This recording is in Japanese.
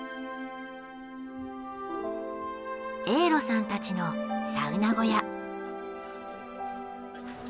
エーロさんたちのサウナ小屋。